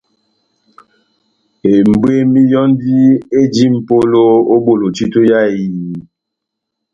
Ebwemi yɔ́ndi eji mʼpolo ó bolo títo yá ehiyi.